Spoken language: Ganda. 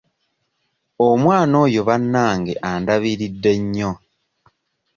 Omwana oyo bannange andabiridde nnyo.